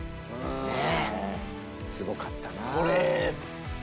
すごかったなあ。